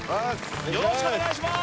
よろしくお願いします